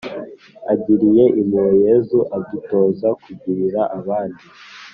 agiriye impuhwe yezu adutoza kugirira abandi